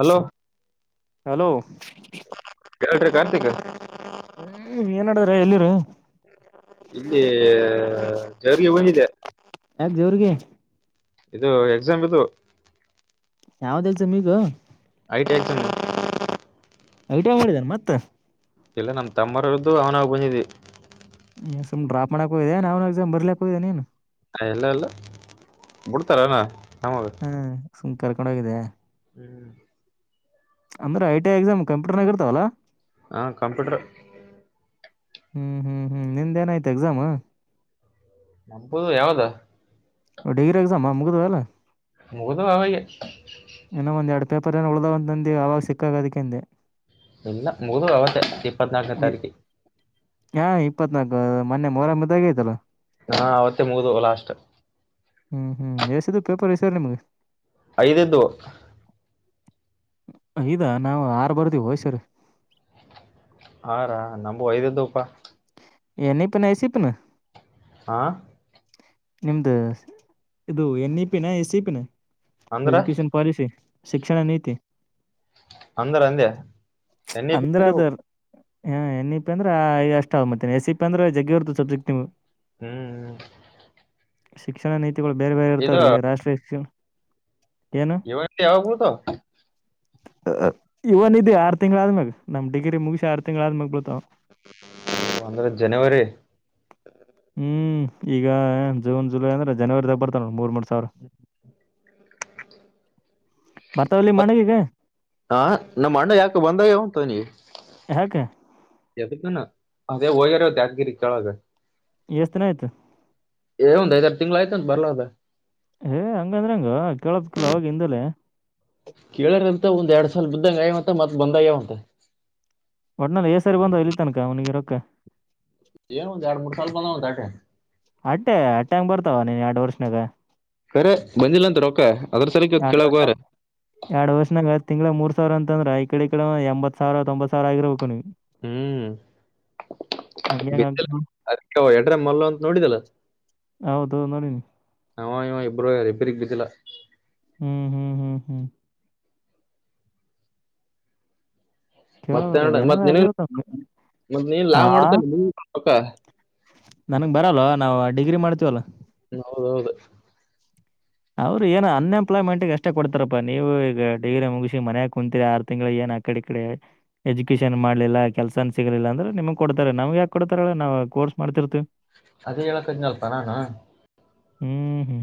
Hello hello ಹೇಳ್ರಿ ಗರ್ದಗ ಹ ಏನ್ಡಿದ್ರ ಎಲ್ಲಿರ ಇಲ್ಲಿ ಜರ್ಗ ಹೋಗಿದೆ ಯತ್ ಜವರುಗೆ ಇದು ಎಕ್ಸಾಮ್ ಇದು ಯಾವದಲ್ಸ ಮಗ ಐಟೈಸ್ ಐಟ ಮಾಡಿದಾನ ಮತ್ತ ಇಲ್ಲ ನಮ್ಮ ತಮ್ಮರರದ್ದು ಅವನಾಗ ಬಂದಿದ್ದಿ ಸುಮ್ಡ್ರಪ್ ಮಾಡಕ ಹ ಇದೆ ನ ಅವ್ನು ಎಕ್ಸಾಮ ಬರ್ಲಿಕ್ಕೋದೆ ನೀನು ಹ ಎಲ್ಲ ಎಲ್ಲ ಬಿಡ್ತಾರಣ ಹ್ಮ ಸುಮ್ ಕರ್ಕೊಂಡ ಹೋಗಿದ್ದೆ ಅಂದ್ರ ಟಿ ಎಕ್ಸಾಮ್ ಕಂಪ್ಯೂಟರ್ನಗ ಇರ್ತಾವವಲ್ಲ ಹಾ ಕಂಪ್ಯೂಟರ್ ಹ್ಮ್ ಹ್ಮ್ ಹ್ಮ್ ನಿಂದ ಏನಾಯ್ತು ಎಕ್ಸಾಮ ನಂಪದು ಯಾವದ ಡಿಗ್ರಿ ಎಕ್ಸಾಮ್ ಮುಗಿದಲ್ಲ ಮೂದು ಅವ ಇನ್ನ ಒಂದ್ ಎರಡ್ ಪೇಪರ್ ಏನ್ ಉಳ್ದ್ಂತಂದ ಅವಾವಾಗ ಸಿಕ್ಕಾಗ ಅದಕ್ಕೆಂದೆ ಇಲ್ಲ ಮುದು ಅವಸೆ ಇಪ್ಪತ್ನಾಲ್ಕನ ತಾರೀಕು ಹಾ ಇಪ್ಪತ್ನಾಲ್ಕು ಮೊನ್ನೆ ಮೊರ [unintelligible] ಮ್ದಾಗೆ ಯ್ತಲ್ಲ ಹಾ ಅವತ್ತೇ ಮುಗದು ಲಾಸ್ಟ್ ಹ್ಮ್ ಹ್ಮ್ ಎಸಿದ್ದ ಪೇಪರ್ ಎಸಾರ ನಿಮ್ಗ ಐದ ಇದ್ದು ಇದಾ ನಾವು ಆರ್ ಬರ್ತೀವಿ ಹೊದ ಸಲೆ ಆರಾ ನಮ್ಮು ಐದ ಇದ್ದು ಪಾ ನ ಇ ಪಿ ನೋ ಎಸ್ ಈ ಪಿ ನೋ ಹಾ ನಿಮ್ದ ಇದು ಎನ್ ಇ ಪಿನ ಎಸ್ ಇ ಪಿನ ಅಂದ್ರ ಎಜುಕೇಶನ್ ಪಾಲಿಸಿ ಶಿಕ್ಷಣ ನೀತಿ ಅಂದಾರ ಅಂದೆ ಎನ್ನ ಇ ಪೀ ಹಾ ಎನ್ ಇ ಪಿ ಅಂದ್ರೆಐದುಷ್ಟ ಆ ಮತ್ತನ ಎಸ್ ಇಿ ಅಂದ್ರೆ ಜಗ್ಗಿ ಇರತವ ಸಬ್ಜೆಕ್ಟ್ ನೀಮ್ಮು ಹ್ಮ್ ಹ್ಮ್ ಶಿಕ್ಷಣ ನೀತಿಗಳು ಬೇರೆ ಬೇರೆ ಇರ್ತಾವ್ರೀ ರಾಷ್ಟ್ರೀಯ ಏನು ಇವತ್ತೇ ಯಾವಾಗ ಬಿಳತಾವ ಇವ ನಿಧಿ ಆರು ತಿಂಗ್ಳ ಆದ್ಮ್ಯಾಗ ನಮ್ ಡಿಗ್ರಿ ಮುಗಿಸಿ ಆರ್ ತಿಂಗ್ಳ ಆದ್ಮಾಗ್ ಬಿಳತಾವ ಅಂದ್ರ ಜನವರಿ ಹ್ಮ್ ಈಗ ಜೂನ್ ಜುಲೈ ಅಂದ್ರೆ ಜನವರಿ ತಾಗ ಬರ್ತಾನ ನೋ ಮೂರ್ ವರ್ಷ ಸರ್ [unintelligible] ಮ ಹಾ ನಮ್ಮ ಅಣ್ಣ ಯಾಕೆ ಬಂದಾಗ ಉಂತ ನೀ ಯಾಕ ಯು ಅದ ಹೋಗಿದಾರೆ ದಾಜಗಿರಿ ಚಳಾಗ ಎಷ್ಟ ದಿನ ಆಯ್ತ ಏ ಒಂದ್ ಐದಾರು ತಿಂಗ್ಳ ಆಯ್ತ ಬರಲಾರದೆ ಏ ಹಂಗಂದ್ರ ಹಂಗ ಕೇಳದ ಕಿಲ್ಲ ಅವಾಗ ಹಿಂದಲೇ ಮತ್ತ ಒಂದ್ ಎರಡ್ ಸಲ ಬಿದ್ದಂಗ ಅಗ್ಯವವಂತ ಮತ್ತ ಬಂದ ಆಗ್ಯಾವ ಒಟ್ನಲ್ಲಿ ಎ ಸರಿ ಬಂದು ಇಲ್ಲಿ ತನಕ ಅವನೀಗಿರೊಕ್ಕ ಏನು ಒಂದ ಎರಡು ಮೂರ ಸಲಾ ಬಂದಾವ ಒಂದ ದಂಡಿ ಅಟ್ಟೆ ಅಟ್ಟೆ ಹಂಗ ಬರ್ತಾವ ನೀನ್ ಎರಡ ವರ್ಷನಾಗ ಸರೆ ಬಂದಿಲ್ಲಂತ ರೊಕ್ಕ ಅದ್ರ ಸಲಕ್ಕೆ ಎರಡು ಕೆಳಗ್ ವರ್ಷ ಹೋಗ್ಯಾರ ಎರಡು ವರ್ಷನಾಗ ತಿಂಗಳಾ ಮೂರ್ ಸಾವಿರ ಅಂತ ಅಂದ್ರ ಈ ಕಡೆ ಈಡೆ ಒ ಎಂಬತ್ ಸಾವರ ತೊಂಬ ಸಾವರ ಆಗಿರ್ಬೇಕು ನೀವು ಹ್ಮ್ ಹಂಗೆ ಹಂಗ್ ಆಗ್ತದ. ಬಿದ್ದಿಲ್ಲ ಎಡ್ರ ಮಲ್ಲು ಅಂತ ನೋಡಿದ್ದೆಲ್ಲ ಒನಡಿ ನೀ [unintelligible] ಅವ ಇವ ಇಬ್ರೋ ರಿಪೇರಿಗೆ ಬಿದ್ದಿಲ್ಲ ಹ್ಮ್ ಹ್ಮ್ ಹ್ಮ್ ಹ್ಮ್ ಮತ್ತೆ ಕೇವಲ್ಲಿನ ಮತ್ ನಿನಗ್ ಮತ್ ನೀನ್ ಲಾ ಆ ಹಾ ಮಾಡ್ತೇನೆ ರೊಕ್ಕ [unintelligible] ನನ್ಗ್ ಬರಲ್ ನಾವವು ಡಿಗ್ರಿ ಮಾಡ್ತೀವಲ್ಲ ಹ ಹೌದೌದು ಅವ್ರು ಏನ ಅನ್ಎಂಪ್ಲಾಯ್ಮೆಂಟ್ಗೆ ಎಷ್ಟೇ ಕೊಡ್ತಾರಪ್ಪ ನೀವು ಈಗ ಡಿಗ್ರಿ ಮುಗಿಸಿ ಮನ್ಯಾಗ ಕುಂತೀರಿ ಆರು ತಿಂಗಳ ಏನ ಕಡೆ ಕಡೆ ಎಜುಕೇಶನ್ ಮಾಡ್ಲಿಲ್ಲ ಕೆಲ್ಸನ್ ಸಿಗಲಿಲ್ಲ ಅಂದ್ರೆ ನಿಮ್ಗ್ ಕೊಡ್ತಾರೆ ನಮ್ಗೆ ಯಾಕ ಕೊಡ್ತಾರ ಹೇಳ ಅ ನಾವ ಕೋರ್ಸ್ ಮಾಡ್ತಿರ್ತಿ ಅದೇ ಹೆಳಕತಿನ ಅಲ್ಲ ಪಾ ನಾನು ಹ್ಮ್ ಹ್ಮ್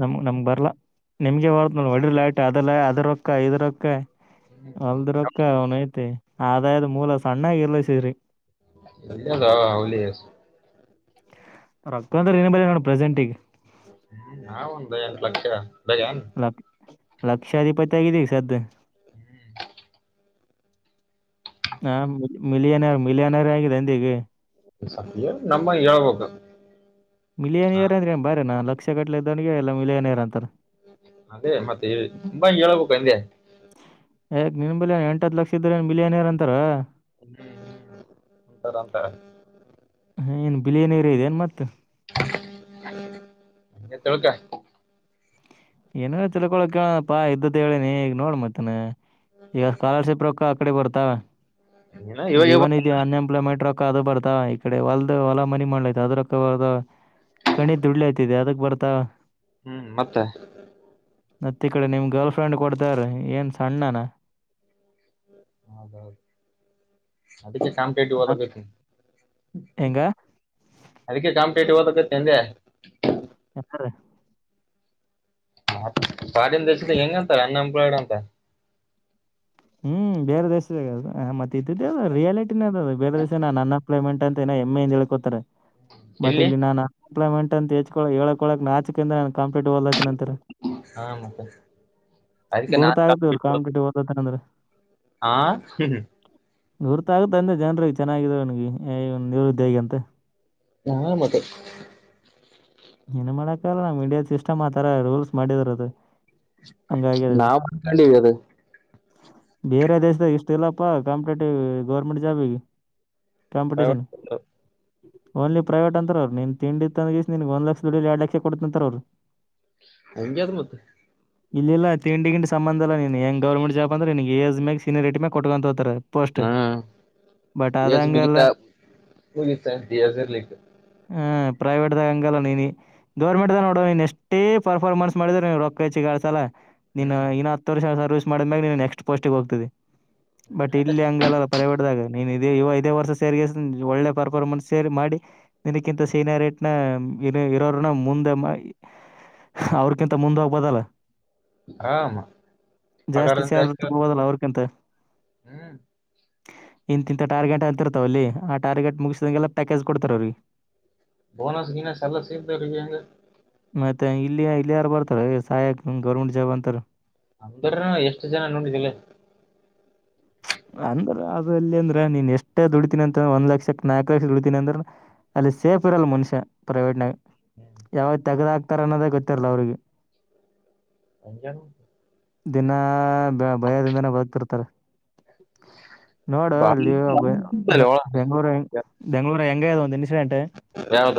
ನಮ ನಮ್ಗ್ ಬರ್ಲಾ ನಿಮ್ಗೆ ಬ ಒಡ ಲಾಟರಿ ಅದಲ್ಲ ಅದ್ರಕ್ಕ ಇದ ರೊಕ್ಕ ಅಲ್ದ್ರಕ್ಕ ಅವನ ಐತಿ ಆದಾಯದ ಮೂಲ ಸಣ್ಣಾಗಿ ಇರ್ಲಸ್ರರಿ ಇ ಹ ಹಲ [unintelligible] ರಕ್ತಂದ [unintelligible] ಏನರಾ ನೋಡ್ ಬ ನ ಪ್ರೆಸೆಂಟಿಂಗ್ [unintelligible] ಹ್ಮ ನ ಒ ದಯನ್ಟ್ಲ ದಯನ್ ಲಕ್ ಲಕ್ಷಾಧಿಪತಿ ಆಗಿದೀ ಈಗ ಸದ್ದ ಹ್ಮ್ [inaudible] ಹಾ ಮಿಲಿಯನರ್ ಮಿಲಿಯನರ್ ಆಗಿದೆ [unintelligible] ಅಂದ ಈಗೆ ಸತ್ಯ ನಮ್ಮ ಹೇಳ್ಬೇಕ ಮಿಲಿಯನ್ ಯರ್ ಅಂದ್ರ ಬರೇನ ಲಕ್ಷ ಕಟ್ಲಿದ್ದವನಿಗೆ ಎಲ್ಲ ಮಿಲಿಯನ್ ಇಯರ್ ಅಂತಾರೆ ಅದೇ ಮತ್ತೆ ತುಂಬಾ ಹೇಳ್ಬೇಕು ಹಂಗೆ ಯಾಕ್ ನಿನ್ ಬಿಲಯಾನಿ ಎಂಟತ್ ಲಕ್ಷ ಇದ್ರ ನೀನ್ ಬಿಲಯಾನಿರ್ ಅಂತಾರ ಹ್ಮ್ ಹ್ಮ ಉಂತದ [unintelligible] ಉಂತಾರೆ ಏನ್ ಬಿಲಯಾನಿರಿ ಇದೆೇನ್ ಮತ್ ಎತ್ತಳ್ಕ್ಕ [inaudible] ಏನೇನ ತಿಳ್ಕೊಳಕ್ ಕೇಳಪ್ಪಾ ಇದ್ದದ್ ಹೇಳೇನಿ ಈಗ ನೋಡ್ ಮತ್ತನ್ ಈಗ ಸ್ಕಾಲರ್ಶಿಪ್ ರೊಕ್ಕ ಕಡೆ ಬರ್ತಾವ ಏನ ಈಗ ಇವಾಗ ಇವಾಗ ಇವನ್ ಇ ಅನ್ ಎಂಪ್ಲಾಯ್ಮೆಂಟ್ ರ ಅದು ಬರ್ತಾ ಈ ಕಡೆ ಹೊಲ್ದ ಹೊಲ ಮನೆ ಮಾಡಲಯತ [unintelligible] ಅದ್ರರ್ ಕಣಿ ದುಡ್ಲತದೆ ಅದ ಬರ್ತಾ ಹ್ಮ್ ಮತ್ತೆ ಮತ್ತ ಕಡೆ ನಿಮ್ ಗರ್ಲ್ ಫ್ರೆಂಡ್ ಕೊಡ್ತಾರ ಏನ್ ಸಣ್ಣನ ಹೌದೌದು [unintelligible] ಅದಕ್ಕೆ ಕಾಮ ಹ? ಟೇಟದ ಹೆಂಗ ಅದಕ್ಕೆ ಕಾಮ ೇಟದ ಂದ [inaudible] ಯಾರ ಪಾಡಿನ್ ದೇಶದ ಹೆಂಗಂತಾರೆ ಅನ್ಎಂಪ್ಲಾಯ್ಡ್ ಅಂತ ಹ್ಮ್ ಬೇರೆ ದೇಶದ ಅ ಮತ್ತ ಇದ ಅದು ರಿಲಿಟಿನೇ ಅದ ಅದು ಬೇರೆ ದೇಶ ನ ಅನ್ ಅಪ್ಲೈಮೆಂಟ್ ಅಂತ ಏನ ಹೆಮ್ಮೆ ಇಂದ ಹೇಳ್ಕೋತಾರೆ ಬಟ್ ಇಲ್ಲಿ ನಾನ್ ಅನ್ ಎಂಪ್ಲಾಯ್ಮೆಂಟ್ ಅಂತ ಹೆಚ್ ಹೇಳಕಳಕ್ ನಾಚ್ ಅಂದ ಕಾಂಪ್ಲೀಟ್ಲತಿ [unintelligible] ನಂತರ [unintelligible] ಹಾ ಮತ್ತೆ ಅದಕ್ಕೆ ಗೊರ್ತ ನಾನ್ ಆಗತಿವ್ರು ಕಾಮ್ ಕಾಂಪಿಟೇಟಿವ್ ಕಟ್ಟ ದತ ಅಂದ್ರೆ ಹಾ ಗುರ್ತ ಆಗುತ್ತ ಅಂದೆ ಜನರ ಚೆನ್ನಾಗಿದ [unintelligible] ಅವನ್ಗೆವ ನಿವೃದ್ಧಿ ಹೇಗ ಅಂತ ನಾ ಮತ್ತೆ ಏನ್ ಮಾಡಕಲ್ಲ ನಾ ಮೀಡಿಯಾ ಸಿಸ್ಟಮ್ ಆತರ ರೂಲ್ಸ್ ಮಾಡಿರದು [unintelligible] ನಾವುೊಂಡಿ ಅದ ಬೇರೆ ದೇಶ್ದಾಗ ಇಷ್ಟು ಇಲ್ಲಪ್ಪ ಕಾಂಪಿಟೇಟಿವ್ ಗೌರ್ಮೆಂಟ್ ಜಾಬಿಗೆ ಕಂಪಿಟಷನ್ ಓನ್ಲಿ ಪ್ರೈವೇಟ್ ಅಂತಾರೆ ಅವರು ನಿನ್ ತಿಂಡಿ ಇತ್ತಂತಿಸಿ ನಿನಿಗ್ ಒನ್ ಲಕ್ಷ [unintelligible] ಡ ಎರಡು ಲಕ್ಷ ಕೊಡತ ಅಂತರ್ ಅವ್ರು ಹಂಗೆದ್ ಮತ್ತೆ ಇಲ್ಲ ಇಲ್ಲ ತಿಂಡಿ ಗಿಂಡಿ ಸಂಬಧ ಇಲ್ಲಾ ನೀನ್ ಹೆಂಗ ಗೌರ್ಮೆಂಟ್ ಜಾಬ್ಂದ್ರೆ ಎಜ್ ಮಾಗ ಸಿನ ರೇಟ ಮಾಗ ಕೊಟ್ಕೊಂತ ಹೋತಾರೆ ಹಾ [unintelligible] ಎ ಹಂಗಲ್ಲ ಮುಗಿತಾ ಬಗ ದರ್ಲಿಕ್ಕ ಹ ಪ್ರೈವೇಟ್ದ್ ಅಂಗಲ್ಲ ನೀನ್ ಗೌರ್ಮೆಂಟ್ ದ ನೋಡ ನೀನ್ ಎಷ್ಟೇ ಪರ್ಫಾರ್ಮೆನ್ಸ್ ಮಾಡಿದ್ರ ನೀವು ರೊಕ್ಕಾಚ್ಚಿಗಾಡ್ಸಲ ನೀನ್ ಹ್ಮ್ ಇನ್ನು ಹತ್ತು ವರ್ಷ ಸರ್ವಿಸ್ ಮಾಡದ್ ಮ್ಯಾಗ ನಿನ್ ನೆಕ್ಸ್ಟ್ ಪೋಸ್ಟ್ ಹೋಗ್ತಿದೆ ಹ್ಮ್ ಬಟ್ ಆಟ ಇಲ್ಲಿ ಹಂಗಲ್ಲಲ್ಲ ಪ್ರವೇಟ್ ದಾಗ ನೀನ್ ಇ ಐದೇ ವರ್ಷ ಸೇರಿಗೆ ಒಳ್ಳೆ ಪರ್ಫಾರ್ಮೆನ್ಸ್ ಸೇರಿ ಮಾಡಿ ನಿನಕ್ಕಿಂತ ಸೀನಿಯರ್ ರೇಟ್ ನ ಇರೋರನ್ನ ಮುಂದೆ ಮಾ ಅವ್ರಕಿಂತ ಮುಂದೆ ಹೋಗ್ಬದಲ್ಲ ಆರಾಮ ಪಗಾರ ಜಾಸ್ತಿ ಸ್ಯಾಲರಿ ಇರುತ್ತೆ. ಹೋದಲ್ಲ ಅವ್ರಕಿಂತ ಹ್ಮ್ ಇಂತಿಂಥ ಟಾರ್ಗೆಟ್ ಅಂತರ್ತವಲ್ಲಿ ಆ ಟಾರ್ಗೆಟ್ ಮುಗಿಸಿದಂಗೆಲ್ಲ ಪ್ಯಾಕೇಜ್ ಕೊಡ್ತಾರೆ ಅವ್ರಿಗೆ ಬೋನಸ್ ಗಿನಸ್ ಎಲ್ಲ ಸಿಗ್ಬೇಕ [unintelligible] ಹೆಗೆ ಮತ್ತೆ ಇಲ್ಲಿಯ ಇಲ್ಲಿ ಯಾರು ಬರ್ತಾರ ಸಾಯಕ ಗೌರ್ಮೆಂಟ್ ಜಾಬ್ ಅಂತಾರ ಅಂದ್ರ ಎಷ್ಟು ಜನ ನೋಡಿದಿಲ್ಲ ಹ ಅಂದ್ರ ಅದ್ರಲ್ಲಿ ಅಂದ್ರೆ ನೀನ್ ಎಷ್ಟೇ ದುಡಿತೀನಿ ಅಂತ ಒಂದ್ ಲಕ್ಷಕ್ಕ ನಾಲ್ಕಕ್ ಲಕ್ಷ ದುಡಿತೀನಿ ಅಂದ್ರ ಅಲ್ಲಿ ಸೇಫ್ ಇರಲ್ಲ ಮನುಷ್ಯ ಪ್ರೈವೇಟ್ ನಾಗ ಯಾವಾಗ ತೆಗದ ಹಾಕ್ತಾರ ಅನ್ನೋದೇ ಗೊತ್ತಿರ್ಲ ಅವ್ರಿಗೆ ಅಂಜನ್ ದಿನ ಭಯದಿಂದನೇ ಬದುಕತೀರತಾರ ನೋಡು ಅಲ್ಲಿ ಒಬ್ಬ ಬೆಂಗಳೂರು ಬೆಂಗ್ಳೂರು ಹೆಂಗ ಒಂದ ಯಾವದ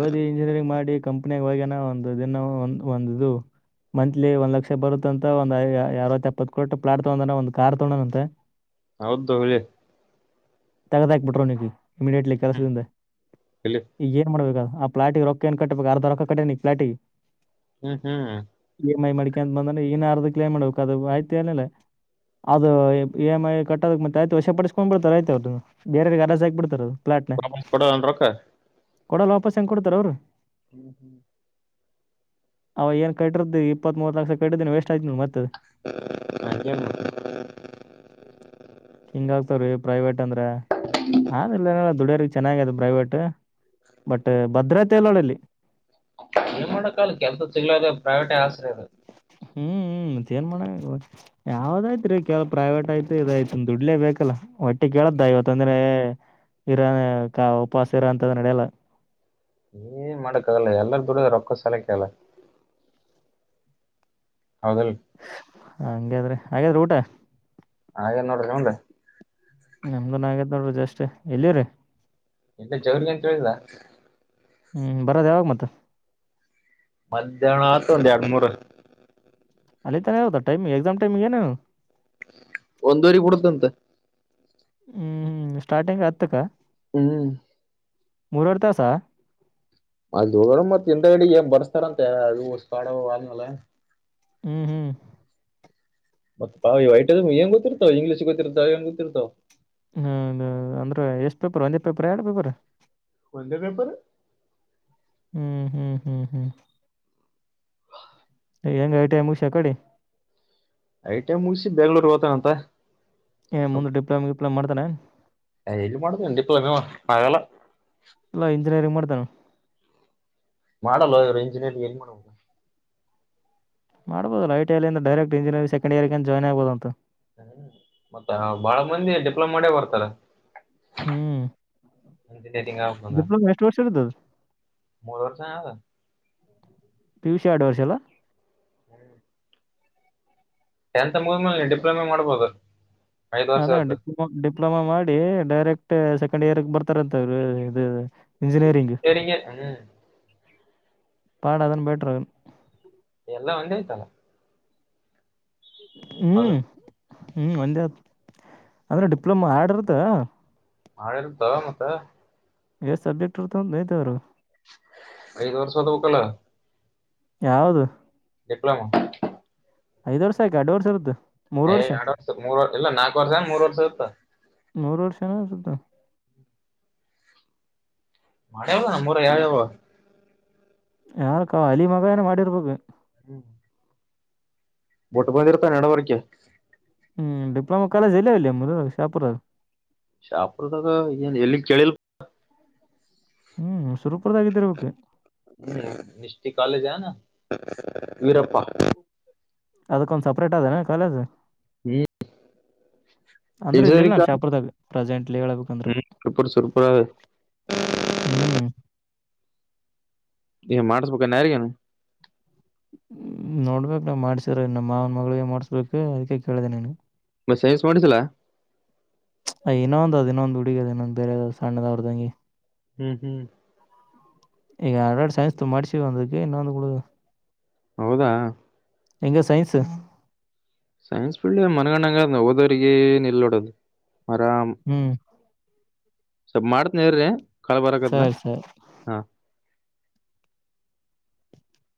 ಓದಿ ಇಂಜಿನಿಯರಿಂಗ್ ಮಾಡಿ ಕಂಪ್ನಿಯ ಹೋಗಿಯಾನ ಒಂದು ದಿನ ಒ ಒಂದು ಮಂತ್ಲಿ ಒಂದ್ ಲಕ್ಷ ಬರುತ್ತ ಅಂತ ಒಂದ ಅರವ ಎಪ್ಪತ್ತು ಕೊಟ್ಟು ಪ್ಲಾಟ್ ತಗೊಂಡನ ಒಂದು ಕಾರ್ ತಗೋಣಂತೆ ಹೌದದು ಹುಲಿ ತಗದ ಹಾಕೀ ಬಿಟ್ಟಿರನೋ ನಿ ಇಮಿಡಿಯಟ್ಲಿ ಕೆಲಸದಿಂದ ಹುಲಿ ಈಗೆನ ಮಾಡ್ಬೇಕ ಪ್ಲಾಟಿ ರೊಕ್ಕ ಏ ಕಟ್ಟಬೇಕು ಅರ್ಧ ರೊಕ್ಕ ಕಟ್ಟಿಯಾನ ಆ ಪ್ಲಾಟಿಗೆ ಹ್ಮ್ ಹ್ಮ್ ಮೈ ಮಾಡಿಕಕ ಅಂತ ಬಂದ್ರೆ ಇನ್ಾರದ ಕಲೇಮ ಮಾಡ್ಬೇಕು ಅದು ಆಯ್ತುಏನಲ್ಲ ಅದು ಇ ಮ್ ಐ ಕಟ್ಟದಕ್ ಮತ್ತೆ ಆಯ್ತು ವಶ ಪಡಸ್ಕೊಂಡ್ ಬಿಡ್ತಾರೆ ಆಯತ ಅವ್ರದ ಬೇರೆ ಅರಜ ಹಾಕ್ಬ ಬಿಡ್ತಾರೆ ಅದು ಪ್ಲಾಟ್ನ ಪ್ರಾಮಿಸ್ ಕೊಡೋಲ್ಲ ಏನ ರೊಕ್ಕ ಕೊಡಲ್ಲ ವಾಪಸ್ ಹೆಂಗ ಕೊಡ್ತಾರ ಅವ್ರು ಹ್ಮ್ ಹ್ಮ್ ಅವ ಏನ್ ಕಟ್ಟಿರ್ದ್ದ ಇಪ್ಪತ್ ಮೂತ್ ಲಕ್ಷ ಕಟ್ಟಿದ್ದೀನ ವೇಸ್ಟ್ ಕರೆ ಕಿಮ್ಮತ್ತ ಏನ್ ಪ್ರೈವೇಟ್ ಅಂದ್ರ ಆದ್ರಿಲ್ಲನ ದುಡ್ಯ್ರ ಚೆನ್ನಾಗ ಅದ ಪ್ರೈವೇಟ್ ಬಟ್ ಭದ್ರತೆ ಇಲ್ಲ ನೋಡ ಅಲ್ಲಿ ಪ್ರೈವಟ್ ಆಸರ ಹ್ಮ ೇನ್ಮ ಯಾವ್ದಾಯ್ತ್ ರೀ ಕೆಲ ಪ್ರೈವೇಟ್ ಆಯ್ತು ಇದಾಯ್ತು ದುಡ್ಲೆೇ ಬೇಕಲ್ಲ ಹೊಟ್ಟೆ ಕೇಳ್ದ ಇವತ್ತೊಂದ್ರೆ ಇರ ಉಪವಾಸ ಇರ ಅಂತದ ನಡೆಯಲ್ಲ ಏನ್ ಮಾಡಾಕ್ ಆಗಲ್ಲ ಎಲ್ಲಾರ ದುಡದ ರೊಕ್ಕ ಸಾಲಕ ಅಲ್ಲ ಹೌದಲ್ ಹಂಗಾದ್ರಿ ಹಾಗಾದ್ರಿ ಊಟ ಅಗದಿ ನೋಡರಿ ನಿಮ್ಮದ ನಮ್ದನ್ ಆಗೇತ್ ನೋಡ್ರಿ ಜಷ್ಟ ಎಲ್ಲಿರಿ ಇಲ್ಲೇ ಜವ್ರಿಗೆ ಅಂತ ಹೇಳಿದ ಹ್ಮ್ ಬರದ ಯಾವಾಗ ಮತ್ತ ಮಧ್ಯಾಹ್ನ ಅಗತದ ಒಂದ ಎರಡ ಮೂರ ಅಲ್ಲಿ ತಾನೇ ಇತ್ತಾ ಟೈಮಿ್ ಎಕ್ಸಾಮ್ ಟೈಮಿ್ ಏನೇನು ಒಂದೂವರಿ ಬಿಡತೇತಿ ಅಂತ ಹ್ಮ್ ಹ್ಮ್ ಸ್ಟಾರ್ಟಿಂಗ್ ಹತ್ತಕ್ಕ ಹ್ಮ್ ಮೂರವರಿರ್ಥಾಸ ಅ ಮತ್ ಎಂತ ಗಡೆ ಬರ್ಸ್ತಾರಂತೆ ಅದುಾಡ ಅ್ಮಾಲ ಹ್ಮ್ ಹ್ಮ್ ಮತ್ತ ಪಾವಿ ಐಟದ ಏನ್ ಗೊತ್ತಿತವು ಇಂಗ್ಲೀಷ್ ಗೊತ್ತಿರ್ತವ ಏನ ಗೊತ್ತಿರ್ತಾವ ಹ್ಮ ಅಂದ್ರೆ ಎಷ್ಟ್ ಪೇಪರ್ ಒಂದೇ ಪೇಪರ್ ಯಾರ್ಡ್ ಪೇಪರ್ ಒಂದೇ ಪೇಪರ್ ಹ್ಮ್ ಹ್ಮ್ ಹ್ಮ್ ಹ್ಮ್ ಹೆಂಗ ಐಟ ಮು ಉಷ ಕಡೆ ಐಟ್ ಮುಗಿಸಿ ಬೆಂಗ್ಳೂರ್ ಹೋಗ್ತಾನಂತ ಏ ಮುಂದೆ ಡಿಪ್ಲೊಮ ಗಿಪ್ಲೊಮ ಮಾಡ್ತಾನೆ ಏ ಎಲ್ಲಿ ಮಾಡೋದು ಇ ಮಹಳ ಆಗಲ್ಲ ಅಲ್ಲಾ ಇಂಜಿನಿಯರಿಂಗ್ ಮಾಡ್ತಾನ ಮಾಡಲ್ಲ ಇವರು ಇಂಜಿನಿಯರಿ್ ಎಲ್ಲಿ ಮಾಡಬೇಕ ಮಾಡ್ಬಹದು ಐಟಐಲ್ಲಿಂದ ಡೈಕ್ಟ್ ಇಂಜಿನಿಯರಿಂಗ ಸೆಂಕೆಂಡ ಇಯರ ಇಂದ ಜಾಯ್ನ್ ಆಗ್ಬುದು ಅಂತ ಹ್ಮ ಮತ್ತ ಬಾಳ ಮಂದಿ ಡಿಪ್ಲೊಮಾ ಮಾಡೇ ಬರ್ತಾರ ಹ್ಮ್, ಅಟಂಗಪ್ಪಂಗ ಡಿಪ್ಲೊಮಾ ಎಷ್ಟು ವರ್ಷ ಇರ್ತದೆ ಮೂರು ವರ್ಷ ಯಾವದ [unintelligible] ಪಿ, ಯು, ಸಿ ಎರಡು ವರ್ಷ ಅಲ್ಲ ಹ್ಮ್ [inaudible] ಟೆಂತ್ ಮುಗದ್ಮೇಲೆ ಡಿಪ್ಲೊಮೆ ಮಾಡ್ಬೋದು. ಐದ್ ವರ್ಷ ಅದೇ ಆಯ್ತು ಡಿಪ್ಲೊಮ, ಡಿಪ್ಲೊಮಾ ಮಾಡಿ ಡೈರೆಕ್ಟ್- ಕಂಡ ಯಾರ [unintelligible] ಕ್ ಬರ್ತಾರಂತ ಅವ್ರು ಇದು ಇಂಜಿನಿಯರಿಂಗ್ ಸರಿ ಹ್ಮ [unintelligible] ಪಾಡ ಅದುನ ಬೆಟ್ರ ಎಲ್ಲ ಒಂದೇ ಆಯ್ತಲ್ಲ. ಹ್ಮ್, ಹ್ಮ್ ಒಂದೇ ಅಂದ್ರೆ ಡಿಪ್ಲೊಮಾ ಆಡಿರತ್ತಾ. ಹಾ, ಆಡಿರೋತ್ತ ಮತ್ತ, ಎಷ್ಟ ಸಬ್ಜೆಕ್ಟ್ ಇರ್ತ ನೋಯತಿದರಗ. ಐದ್ ವರ್ಷ ಓದ ಬೆಕ್ಕಲ್ಲ. ಯಾವುದು. ಎಲಾಮ [unintelligible] ಐದ ವರ್ಷ ಯಾಕ ಎರಡ್ ವರ್ಷ ಇರ್ತದ್ದ. ಎರಡ್ ವರ್ಷದ ಮೂರ್ ವರ್ಷ ಇಲ್ಲಾ ನಾಕ್ ವರ್ಷ ಎನ್ಮೂರ್ ವರ್ಷ ಇರತ್ತ. ನೋರರ್ಷನ ಸ್ದ [unintelligible] ಮೆಾಡರಲ್ಲ ನಮ್ಮೂರಗ ಯಾವ-ಯಾವ. ಯಾರಕ್ಕ ಅಲಿಬಾಬಏನ ಮಾಡಿರ್ಬೇಕು. ಹ್ಮ್ [inaudible] ಬುಟ್ಟ್ ಬಂದ ಇರ್ತಾನ ನಡಬರಕೆ. ಹ್ಮ್, ಡಿಪ್ಲೋಮ ಕಾಲೇಜ್ ಎಲ್ಲಾವ ಇಲ್ಲಿ ಶಾಹಪುರಗ. ಶಾಹಪುರದಾಗ ಏನ್ ಎಲ್ಲಿನ್ ಕೇಳಿಲ್ಲಪ್ಪ. ಹ್ಮ್, ಸುರಪುರದಾಗ ಇದ್ದಿರ್ಬೇಕು ಹ್ಮ ಮಷ್ಟಿ ಕಾಲೇಜ ವೀರಪ್ಪ [unintelligible] ಅದಕ್ಕೊಂದ ಸಪ್ರೇಟ್ ಅದೇನೆ ಕಾಲೇಜ ಹ್ಮ್, ಅಂದ್ರೆ ಇಲ್ಲಿ ಇಲ್ ಇಂಜಿನಿಯರಿಂಗ್ ನಾನ್ ಶಾಹಾಪುರದಗ ಪ್ರೆಸೆಂಟ್ಲಿ ಹೇಳ್ಬೇಕಂದ್ರ. ಹ್ಮ್ ಸೂಪರ್ ಸೂಪರ್ ಹ್ಮ್, ಏನ್ಮಾಡ್ಸ್ಬೇಕನ್ ಯಾರಗನ ಹ್ಮ್, ನೋಡ್ಬೇಕೇಕ್ ನಾ ಮಾಡ್ಸ್ರಿದ್ರ ನಮ್ಮ ಮಾವನ ಮಗಳಿಗೆ ಮಾಡ್ಸ್ಬೇಕು ಅದಕ್ಕೆ ಕೇಳಿದೆ ನನಗ. ಸೈನ್ಸ್ ಮಾಡಿಸಿಲ್ಲ ಐನ ಅಂದು ಅದಿನಾಂದು ಬಿ [unintelligible] ಹುಡುಗಿಇನ್ನೂಂದ ಬೇರೆ ಸಣ್ಣದವ್ರತಂಗಿ. ಹ್ಮ್, ಹ್ಮ್ ಈಗ ಆಲ್ರಡಿ ಸೈನ್ಸ್ ಮಾಡ್ಸಿವಿ ಒಬ್ಬಕಿಗಿ ಇನ್ನೂಂದು ಉಳದಾದ. ಹೌದಾ, ! ಹೆಂಗ ಸೈನ್ಸ, - ಸೈನ್ಸ್ ಫೀಲ್ಡ್ ಮನಗಂಡಗ ಹೋದೋರಿಗಿಎನ್ ಇಲ್ಲೋಡೋದು ಅರಾಮ. ಹ್ಮ್ ಸ್ವಲ್ ಮಾಡ್ತನ್ರಿ ಕಾಲ್ ಬರಕತದ. ಸರಿ ಸರಿ ಹಾ-